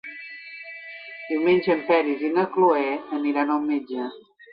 Diumenge en Peris i na Cloè aniran al metge.